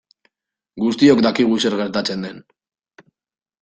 Guztiok dakigu zer gertatzen den.